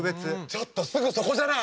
ちょっとすぐそこじゃない！